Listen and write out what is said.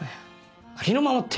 ありのままって。